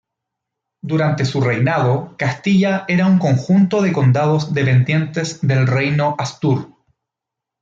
Durante su reinado, Castilla era un conjunto de condados, dependientes del Reino Astur.